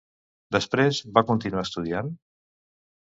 Després va continuar estudiant?